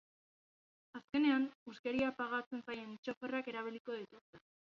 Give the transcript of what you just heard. Azkenean, huskeria pagatzen zaien txoferrak erabiliko dituzte.